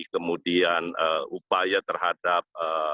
kemudian upaya terhadap